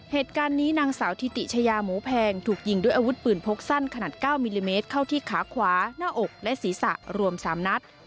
เหตุการณ์นี้นางสาวทิติชายาหมูแพงถูกยิงด้วยอาวุธปืนพกสั้นขนาด๙มิลลิเมตรเข้าที่ขาขวาหน้าอกและศีรษะรวม๓นัด